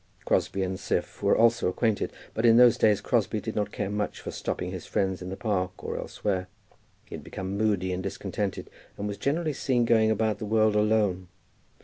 Crosbie and Siph were also acquainted, but in those days Crosbie did not care much for stopping his friends in the Park or elsewhere. He had become moody and discontented, and was generally seen going about the world alone.